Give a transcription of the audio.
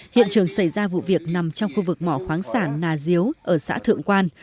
hiện trường xảy ra vụ việc nằm trong khu vực mỏ khoáng sản nà diếu ở xã thượng quan